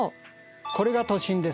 これが都心です。